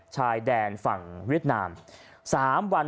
ชายแดนฝั่งเวียดนาม๓วัน